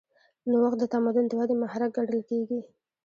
نوښت د تمدن د ودې محرک ګڼل کېږي.